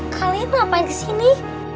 kalian ngapain disini